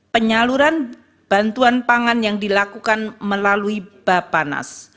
penyaluran bantuan pangan yang dilakukan melalui bapanas